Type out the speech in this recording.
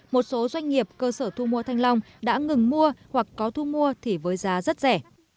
một số doanh nghiệp cơ sở thu mua thanh long đã ngừng mua hoặc có thu mua thì với giá rất rẻ